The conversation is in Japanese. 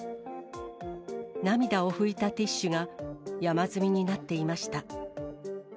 涙を拭いたティッシュが山積みになっていました。